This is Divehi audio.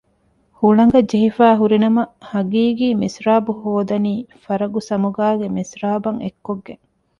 ހުޅަނގަށް ޖެހިފައި ހުރި ނަމަ ހަގީގީ މިސްރާބު ހޯދަނީ ފަރަގު ސަމުގާގެ މިސްރާބަށް އެއްކޮށްގެން